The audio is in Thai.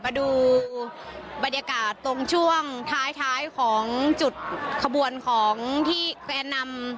ค่ะมาดูบรรยากาศที่ตรงช่วงท้ายจุดขบวนของที่แก่นนำ